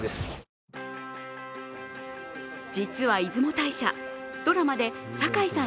実は出雲大社、ドラマで堺さん